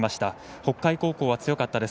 北海高校は強かったです。